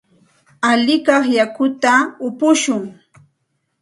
Alikay yakuta upushun.